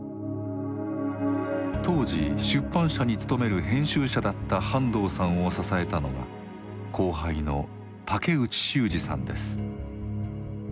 当時出版社に勤める編集者だった半藤さんを支えたのが後輩の竹内修司さんです。